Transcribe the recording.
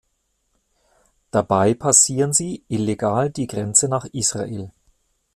Dabei passieren sie illegal die Grenze nach Israel.